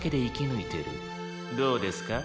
「どうですか？